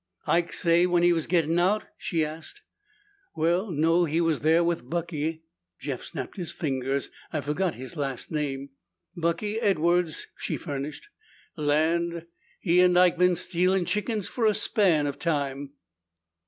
"Ike say when he was gettin' out?" she asked. "Well, no. He was there with Bucky " Jeff snapped his fingers. "I forgot his last name." "Bucky Edwards," she furnished. "Land! He and Ike been stealin' chickens for a span of time."